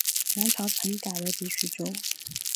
南朝陈改为北徐州。